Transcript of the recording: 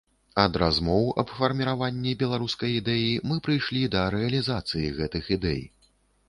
Ад размоў аб фарміраванні беларускай ідэі мы прыйшлі да рэалізацыі гэтых ідэй.